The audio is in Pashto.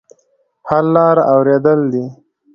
حل لاره اورېدل دي.